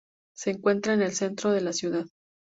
Se encuentra en el centro de la ciudad.